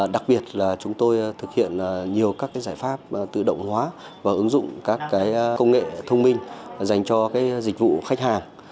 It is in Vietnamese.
đặc biệt là chúng tôi thực hiện nhiều các giải pháp tự động hóa và ứng dụng các công nghệ thông minh dành cho dịch vụ khách hàng